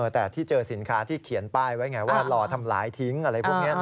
แต่ที่เจอสินค้าที่เขียนป้ายไว้ไงว่ารอทำลายทิ้งอะไรพวกนี้